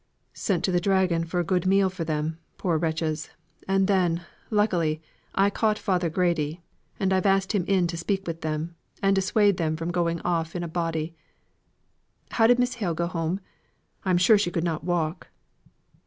"Sent to the Dragon, for a good meal for them, poor wretches. And then, luckily, I caught Father Grady, and I've asked him in to speak to them, and dissuade them from going off in a body. How did Miss Hale go home? I'm sure she could not walk."